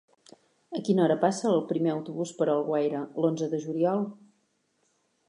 A quina hora passa el primer autobús per Alguaire l'onze de juliol?